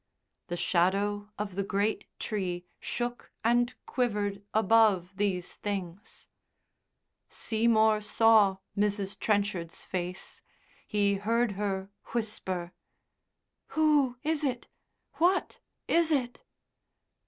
The shadow of the great tree shook and quivered above these things. Seymour saw Mrs. Trenchard's face, he heard her whisper: "Who is it? What is it?"